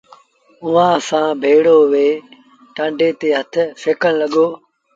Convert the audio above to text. اُئآݩٚ سآݩٚ ڀيڙو بيٚهي ٽآنڊي تي هٿ سيڪڻ لڳو۔